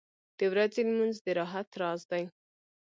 • د ورځې لمونځ د راحت راز دی.